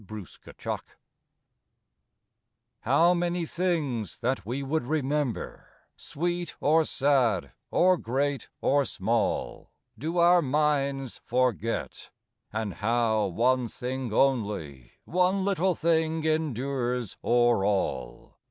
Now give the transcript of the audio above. UNFORGOTTEN I How many things, that we would remember, Sweet or sad, or great or small, Do our minds forget! and how one thing only, One little thing endures o'er all!